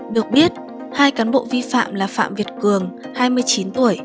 được biết hai cán bộ vi phạm là phạm việt cường hai mươi chín tuổi